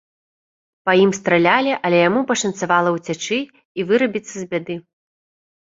Па ім стралялі, але яму пашанцавала ўцячы і вырабіцца з бяды.